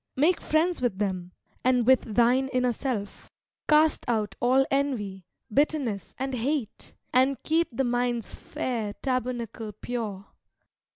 Make friends with them, and with thine inner self; Cast out all envy, bitterness, and hate; And keep the mind's fair tabernacle pure.